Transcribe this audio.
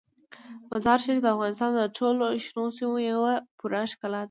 مزارشریف د افغانستان د ټولو شنو سیمو یوه پوره ښکلا ده.